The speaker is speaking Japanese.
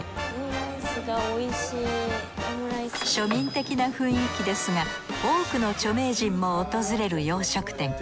庶民的な雰囲気ですが多くの著名人も訪れる洋食店。